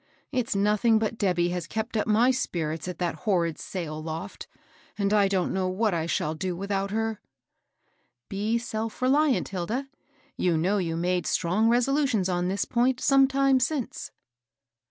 It's nothing but Debby has kept up my spirits at that horrid sail loft, and I don't know what I shall do without her." " Be self reliant, Hilda. You know you made strong resolutions on this point some time since."